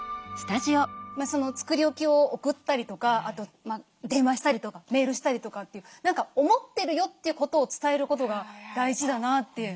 作り置きを送ったりとかあと電話したりとかメールしたりとかっていう「思ってるよ」ということを伝えることが大事だなって思いますね。